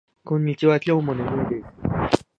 こんにちは。今日も眠いです。